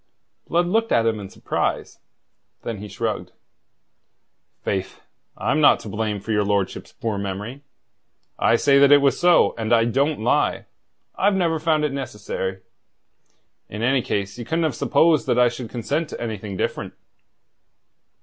Blood looked at him in surprise. Then he shrugged. "Faith, I'm not to blame for your lordship's poor memory. I say that it was so; and I don't lie. I've never found it necessary. In any case ye couldn't have supposed that I should consent to anything different."